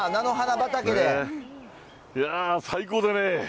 いやぁ、最高でね。